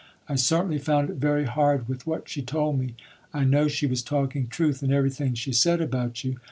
I certainly found it very hard with what she told me. I know she was talking truth in everything she said about you.